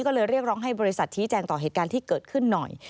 ก็เลยเรียกร้องให้บริษัทชี้แจงต่อเหตุการณ์ที่เกิดขึ้นหน่อย